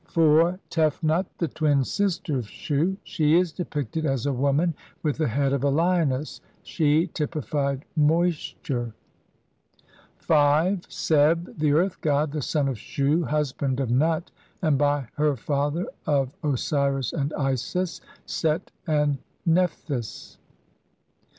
4. Tefnut, the twin sister of Shu ; she is depicted as a woman with the head of a lioness ; she typified moisture. 5. Seb, the earth god, the son of Shu, husband of Nut, and by her father of Osiris and Isis, Set and Nephthys.